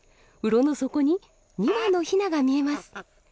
うろの底に２羽のヒナが見えます。